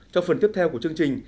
trong phần tiếp theo của chương trình